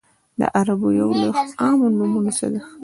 د عربو یو له عامو نومونو څخه و.